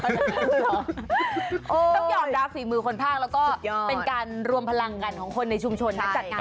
ต้องยอมรับฝีมือคนภาคแล้วก็เป็นการรวมพลังกันของคนในชุมชนนะจัดงาน